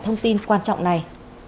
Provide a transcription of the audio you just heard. thông tin quan trọng này